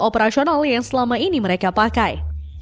operasional yang selama ini mereka pakai